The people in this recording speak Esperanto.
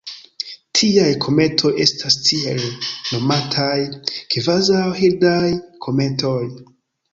Tiaj kometoj estas tiel nomataj kvazaŭ-Hildaj kometoj.